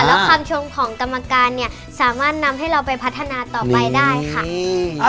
แล้วความชมของกรรมการเนี่ยสามารถนำให้เราไปพัฒนาต่อไปได้ค่ะอืม